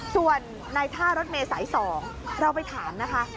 ส่วนนายท่ารถเมฆสายสองเราไปถามนะคะ